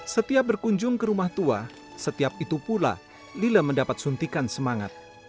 setiap berkunjung ke rumah tua setiap itu pula lila mendapat suntikan semangat